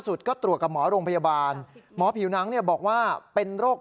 สุดก็ตรวจกับหมอโรงพยาบาลหมอผิวหนังเนี่ยบอกว่าเป็นโรค